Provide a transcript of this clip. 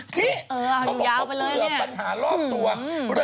นี่เขาบอกว่าเบื่อปัญหารอบตัวเขาบอกว่าอยู่ยาวไปเลย